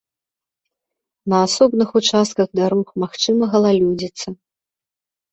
На асобных участках дарог магчыма галалёдзіца.